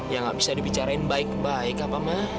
ya gak bisa dibicarain baik baik apa ma